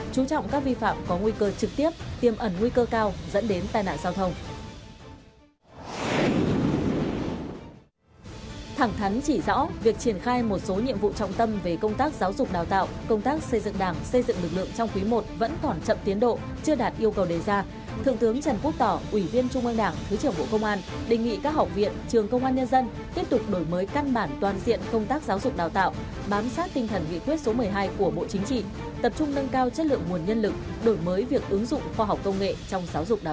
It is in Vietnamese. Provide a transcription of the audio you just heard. chú trọng các vi phạm có nguy cơ trực tiếp tiêm ẩn nguy cơ cao dẫn đến tai nạn giao thông